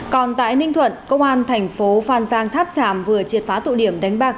còn tại ninh thuận công an thành phố phan giang tháp tràm vừa triệt phá tụ điểm đánh bạc